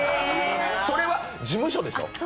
それは事務所でしょ？